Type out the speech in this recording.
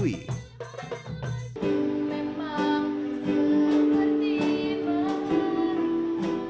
untuk mengiringi suara merdu dari beberapa siswi